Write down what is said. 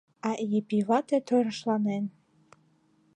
А Епи вате торешланен.